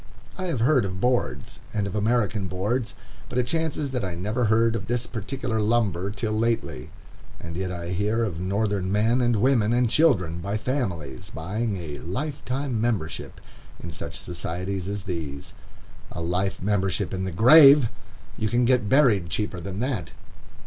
I have heard of boards, and of American boards, but it chances that I never heard of this particular lumber till lately. And yet I hear of Northern men, and women, and children, by families, buying a "life membership" in such societies as these. A life membership in the grave! You can get buried cheaper than that.